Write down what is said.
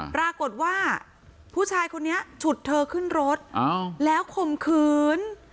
ปรากฏว่าผู้ชายคนนี้ฉุดเธอขึ้นรถแล้วข่มขืน